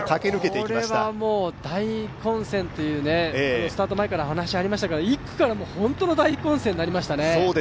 これはもう大混戦という、スタート前から話ありましたから１区から本当の大混戦になりましたね。